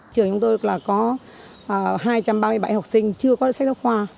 trường chúng tôi có hai trăm ba mươi bảy học sinh chưa có được sách giấu khoa